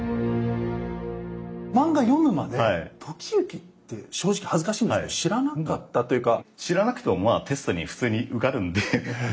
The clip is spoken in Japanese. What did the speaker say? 漫画を読むまで時行って正直恥ずかしいんですけど知らなかったというか。